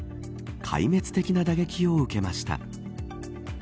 壊滅的な打撃を受けました。